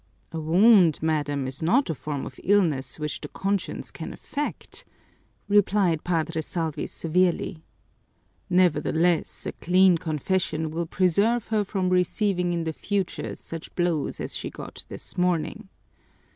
"A wound, madam, is not a form of illness which the conscience can affect," replied Padre Salvi severely. "Nevertheless, a clean confession will preserve her from receiving in the future such blows as she got this morning."